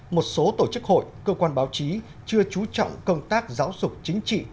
một số tổ chức hội cơ quan báo chí chưa trú trọng công tác giáo dục chính trị